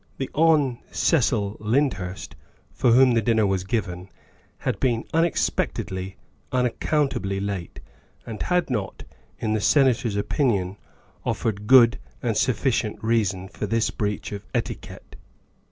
The Hon. Cecil Lyndhurst, for whom the dinner was given, had been unexpectedly, unaccountably late, and had not, in the Senator's opinion, offered good and sufficient reason for this breach of etiquette.